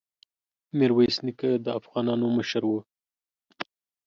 ميرويس نيکه د افغانانو مشر وو.